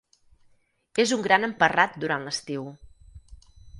És un gran emparrat durant l'estiu.